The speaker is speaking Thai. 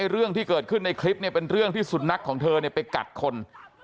เรื่องที่เกิดขึ้นในคลิปเป็นเรื่องที่สุนัขของเธอไปกัดคน